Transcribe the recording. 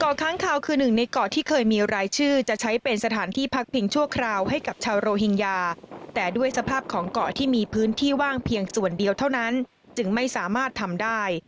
ค้างคาวคือหนึ่งในเกาะที่เคยมีรายชื่อจะใช้เป็นสถานที่พักพิงชั่วคราวให้กับชาวโรฮิงญาแต่ด้วยสภาพของเกาะที่มีพื้นที่ว่างเพียงส่วนเดียวเท่านั้นจึงไม่สามารถทำได้